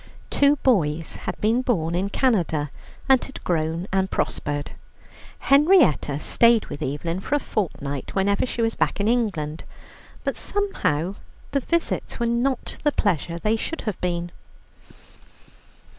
Two boys had been born in Canada, and had grown and prospered. Henrietta stayed with Evelyn for a fortnight whenever she was back in England, but somehow the visits were not the pleasure they should have been.